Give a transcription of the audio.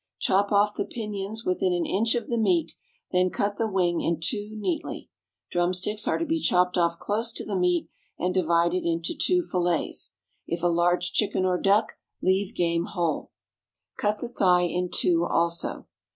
Chop off the pinions within an inch of the meat, then cut the wing in two neatly; drumsticks are to be chopped off close to the meat, and divided into two fillets (if a large chicken or duck; leave game whole); cut the thigh in two also.